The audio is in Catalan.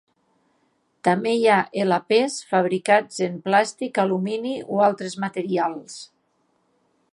També hi ha elapés fabricats en plàstic, alumini o altres materials.